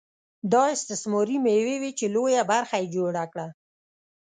دا استثماري مېوې وې چې لویه برخه یې جوړه کړه